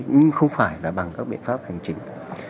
cũng không phải là bằng các biện pháp hành chính